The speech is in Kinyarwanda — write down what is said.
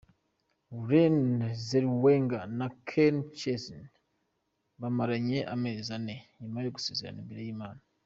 Renée Zellwenger na Kenny Chesney bamaranye amezi ane nyuma yo gusezerana imbere y’ Imana.